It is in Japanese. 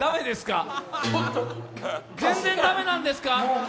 全然駄目なんですか？